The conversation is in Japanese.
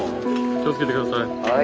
気をつけて下さい。